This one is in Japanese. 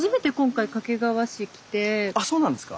あっそうなんですか？